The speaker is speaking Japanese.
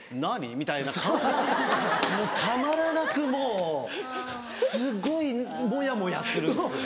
みたいな顔がたまらなくもうすごいもやもやするんですよね。